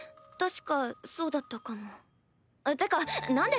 確かそうだったかも。ってかな